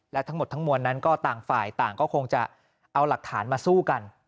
และทั้งหมดทั้งมวลนั้นก็ต่างฝ่ายต่างก็คงจะเอาหลักฐานมาสู้กัน